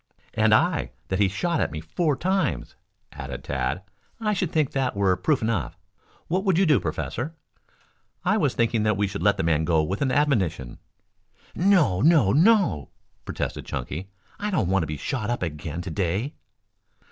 "And I that he shot at me four times," added Tad. "I should think that were proof enough. What would you do, Professor?" "I was thinking that we should let the man go with an admonition." "No, no, no," protested Chunky. "I don't want to be shot up again to day."